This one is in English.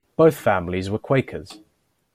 Both families were Quakers.